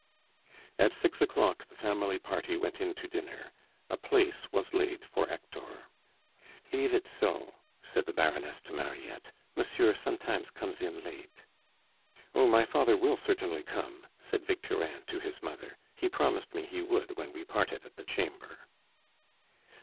At six o'clock the family party went in to dinner. A place was laid for Hector. "Leave it so," said the Baroness to Mariette, "monsieur sometimes comes in late." "Oh, my father will certainly come," said Victorin to his mother. "He promised me he would when we parted at the Chamber."